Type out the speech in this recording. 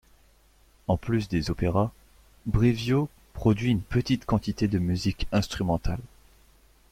En plus des opéras, Brivio produit une petite quantité de musique instrumentale.